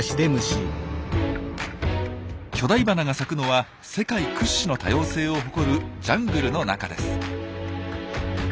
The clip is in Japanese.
巨大花が咲くのは世界屈指の多様性を誇るジャングルの中です。